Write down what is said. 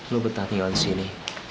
lu betah tiga waktu sini